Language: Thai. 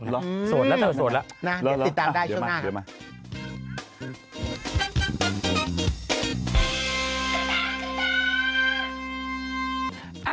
โสดแล้วนะติดตามได้ช่วงหน้า